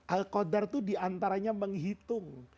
al qadar itu diantaranya menghitung